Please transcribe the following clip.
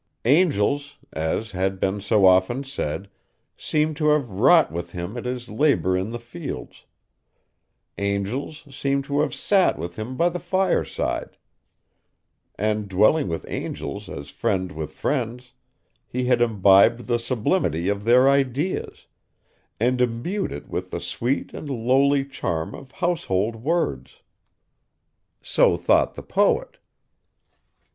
Angels, as had been so often said, seemed to have wrought with him at his labor in the fields; angels seemed to have sat with him by the fireside; and, dwelling with angels as friend with friends, he had imbibed the sublimity of their ideas, and imbued it with the sweet and lowly charm of household words. So thought the poet.